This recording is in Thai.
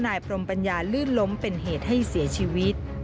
นายพรมปัญญาลื่นล้มเป็นเหตุให้เสียชีวิต